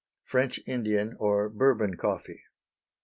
French Indian, or Bourbon Coffee.